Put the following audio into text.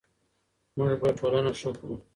موږ به ټولنه ښه کړو.